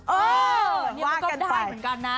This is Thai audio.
เออว่ากันแปลก